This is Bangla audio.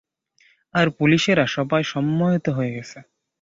আর পুলিশরা, সবাই সম্মোহিত হয়ে গেছে।